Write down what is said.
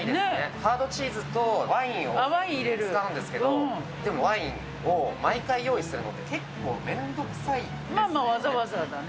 ハードチーズとワインを使うんですけど、でもワインを毎回用意するのは、結構面倒くさいですよね。